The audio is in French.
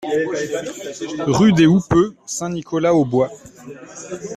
Rue des Houppeux, Saint-Nicolas-aux-Bois